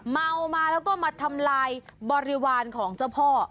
เมามาแล้วก็มาทำลายบริวารของเจ้าพ่อ